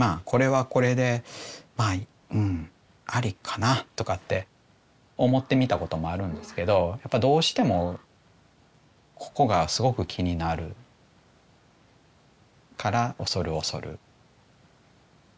「これはこれでうんありかな」とかって思ってみたこともあるんですけどやっぱどうしてもここがすごく気になるから恐る恐る。